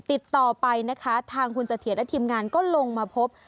ติดต่อไปนะคะทางคุณเสถียรและทีมงานก็ลงมาพบ